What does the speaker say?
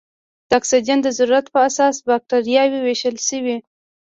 د اکسیجن د ضرورت په اساس بکټریاوې ویشل شوې.